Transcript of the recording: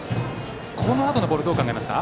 このあとのボールどう考えますか？